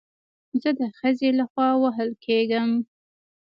زه د ښځې له خوا وهل کېږم